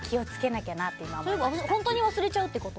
本当に忘れちゃうってこと？